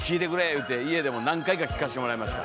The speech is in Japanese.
言うて家でも何回か聴かしてもらいました。